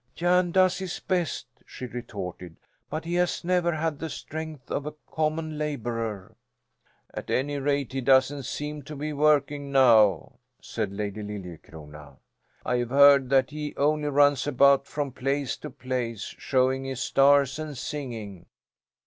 "Jan does his best," she retorted, "but he has never had the strength of a common labourer." "At any rate, he doesn't seem to be working now," said Lady Liljecrona. "I have heard that he only runs about from place to place, showing his stars and singing."